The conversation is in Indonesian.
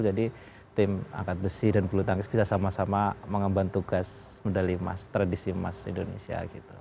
jadi tim angkat besi dan bulu tangkis bisa sama sama mengembang tugas medali emas tradisi emas indonesia gitu